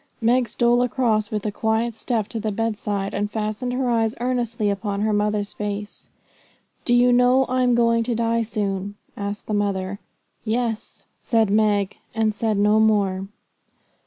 Meg stole across with a quiet step to the bedside, and fastened her eyes earnestly upon her mother's face. 'Do you know I'm going to die soon?' asked the mother. 'Yes,' said Meg, and said no more.